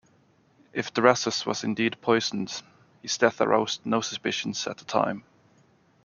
If Drusus was indeed poisoned, his death aroused no suspicions at the time.